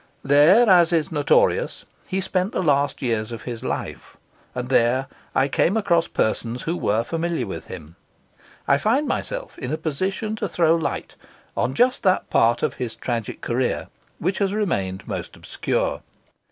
There, as is notorious, he spent the last years of his life; and there I came across persons who were familiar with him. I find myself in a position to throw light on just that part of his tragic career which has remained most obscure.